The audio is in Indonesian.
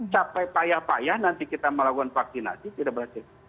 sampai payah payah nanti kita melakukan vaksinasi tidak berhasil